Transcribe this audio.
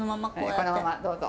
このままどうぞ！